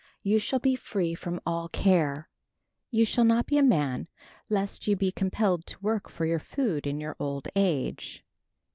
"You shall be free from all care. "You shall not be a man, lest you be compelled to work for your food in your old age.